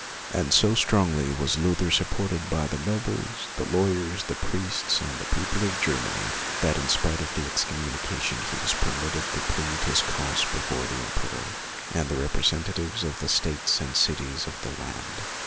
And so strongly was Luther supported by the nobles, the lawyers, the priests, and the people of Germany, that in spite of the excommunication he was permitted to plead his cause before the emperor, and the representatives of the states and cities of the land.